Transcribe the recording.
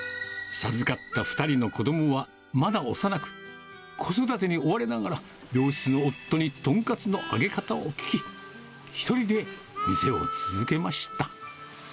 授かった２人の子どもは、まだ幼く、子育てに追われながら、病室の夫に豚カツの揚げ方を聞き、１人で店を続けました。